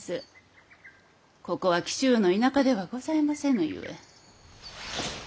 ここは紀州の田舎ではございませぬゆえ。